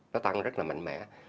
nó tăng rất là mạnh mẽ